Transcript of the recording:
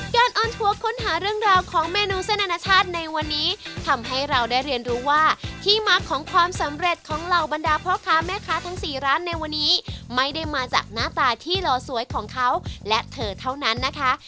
ออนทัวร์ค้นหาเรื่องราวของเมนูเส้นอนาชาติในวันนี้ทำให้เราได้เรียนรู้ว่าที่มักของความสำเร็จของเหล่าบรรดาพ่อค้าแม่ค้าทั้งสี่ร้านในวันนี้ไม่ได้มาจากหน้าตาที่หล่อสวยของเขาและเธอเท่านั้นนะคะ